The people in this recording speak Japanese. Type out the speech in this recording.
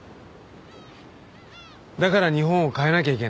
だから日本を変えなきゃいけない。